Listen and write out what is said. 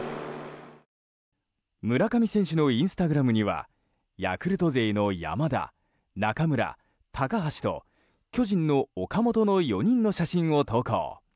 村上選手のインスタグラムにはヤクルト勢の山田、中村、高橋と巨人の岡本の４人の写真を投稿。